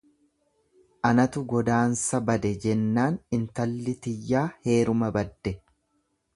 Anatu godaansa bade jennaan intalli tiyyaa heeruma badde.